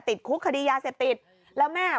ติดคุกคดียาเสพติดแล้วแม่